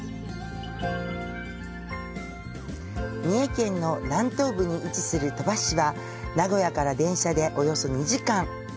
三重県の南東部に位置する鳥羽市は名古屋から電車でおよそ２時間。